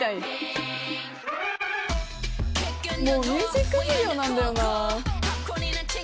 もうミュージックビデオなんだよな。